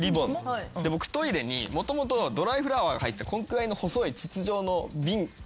で僕トイレにもともとドライフラワーが入ったこんくらいの細い筒状の瓶が花瓶みたいな。